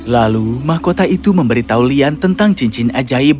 lalu mahkota itu memberitahu lian tentang cincin ajaib